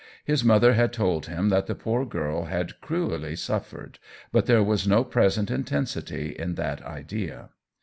His mother had told him that the poor girl had cruelly suffer ed, but there was no present intensity in that idea.